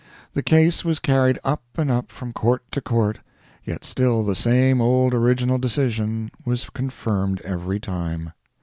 The case was carried up and up from court to court, yet still the same old original decision was confirmed every time.